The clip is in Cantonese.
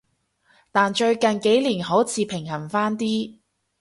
但最近幾年好似平衡返啲